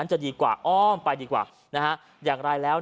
ให้เดียวกว่าอ้อมไปดีกว่า